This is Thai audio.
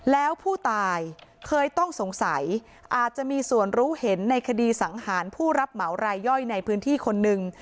แล้วผู้ตายเคยต้องสงสัยอาจจะมีส่วนรู้เห็นในคดีสังหารผู้รับเหมารายย่อยในพื้นที่คนหนึ่ง